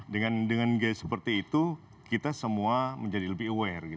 dengan gaya seperti itu kita semua menjadi lebih aware